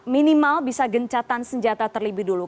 minimal bisa gencatan senjata terlebih dulu